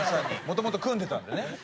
もともと組んでたんでね。